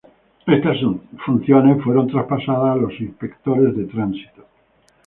Estas funciones fueron traspasadas a los inspectores de tránsito.